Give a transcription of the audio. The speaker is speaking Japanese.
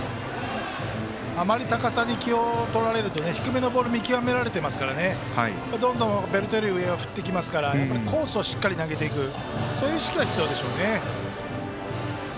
あまり高さに気をとられると低めのボールを見極められていますからベルトより上はどんどん振ってきますからコースにしっかり投げていくそういう意識は必要でしょうね。